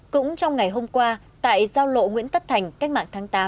cũng trong ngày hôm qua tại giao lộ nguyễn tất thành cách mạng tháng tám